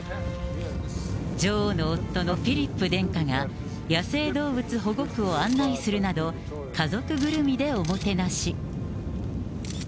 女王の夫のフィリップ殿下が野生動物保護区を案内するなど、家族ぐるみでおもてなし。